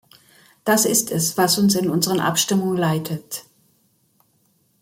Das ist es, was uns in unseren Abstimmungen leitet.